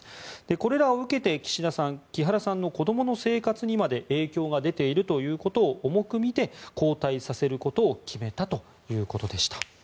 これらを受けて岸田さん木原さんの子どもの生活にまで影響が出ているということを重く見て交代させることを決めたということでした。